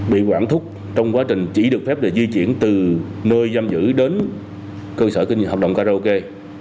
bị quản thúc trong quá trình chỉ được phép là di chuyển từ nơi giam giữ đến cơ sở kinh doanh hợp đồng karaoke